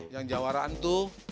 yang jawaraan tuh